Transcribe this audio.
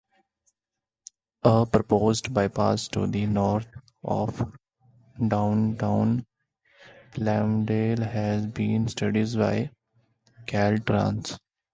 A proposed bypass to the north of downtown Palmdale has been studied by Caltrans.